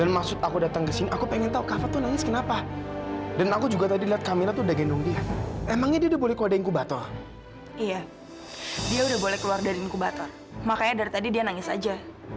makanya dari tadi dia nangis aja